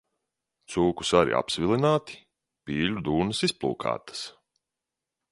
Cūku sari apsvilināti, pīļu dūnas izplūkātas.